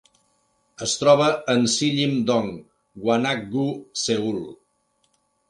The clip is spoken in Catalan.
Es troba en Sillim-dong, Gwanak-gu, Seül.